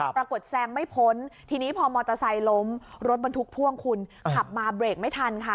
แซงไม่พ้นทีนี้พอมอเตอร์ไซค์ล้มรถบรรทุกพ่วงคุณขับมาเบรกไม่ทันค่ะ